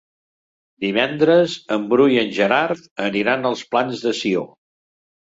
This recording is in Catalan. Divendres en Bru i en Gerard aniran als Plans de Sió.